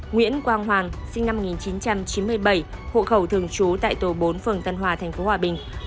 nguyễn quang hoàng sinh năm một nghìn chín trăm chín mươi bảy hộ khẩu thường trú tại tổ bốn phường tân hòa tp hòa bình